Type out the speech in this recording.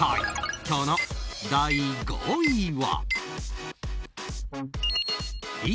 今日の第５位は。